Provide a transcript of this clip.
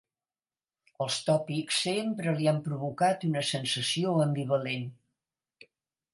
Els tòpics sempre li han provocat una sensació ambivalent.